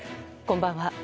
こんばんは。